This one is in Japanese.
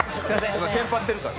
今テンパってるから。